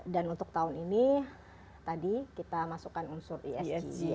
dan untuk tahun ini tadi kita masukkan unsur isj